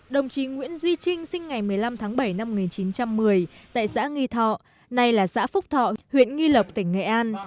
đồng chí nguyễn duy trinh sinh ngày một mươi năm tháng bảy năm một nghìn chín trăm một mươi tại xã nghi thọ nay là xã phúc thọ huyện nghi lộc tỉnh nghệ an